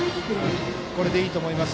これでいいと思います。